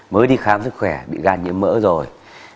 mới đi khám sức khỏe bị gan nhiễm mỡ rồi